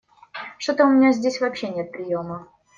Что-то у меня здесь вообще нет приема.